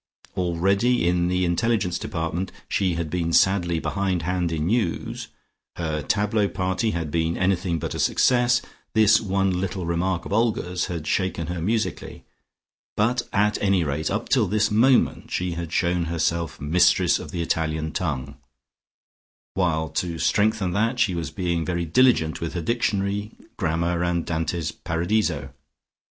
Already, in the intelligence department, she had been sadly behind hand in news, her tableaux party had been anything but a success, this one little remark of Olga's had shaken her musically, but at any rate up till this moment she had shewn herself mistress of the Italian tongue, while to strengthen that she was being very diligent with her dictionary, grammar and Dante's Paradiso.